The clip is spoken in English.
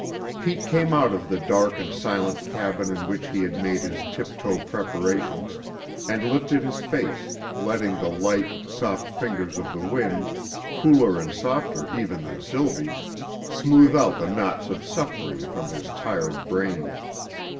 Pete came out of the dark and silent cabin in which he had made his tiptoe preparations, and lifted his face, letting the light, soft fingers of the wind, cooler and softer even than Sylvie's, smooth out the knots of suffering from his tired brain.